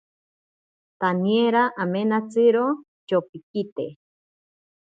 Taniera amenatsiro tyopikite.